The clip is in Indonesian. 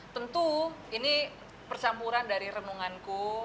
tentu ini percampuran dari renunganku